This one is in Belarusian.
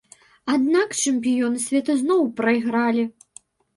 Аднак чэмпіёны свету зноў прайгралі!